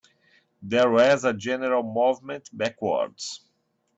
There was a general movement backwards.